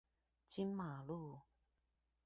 金馬路